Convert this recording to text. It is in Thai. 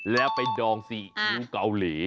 แล้วไปดองซีอิ๊วเกาหลี